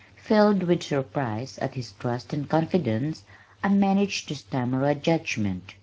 Filled with surprise at his trust and confidence, I managed to stammer a judgment.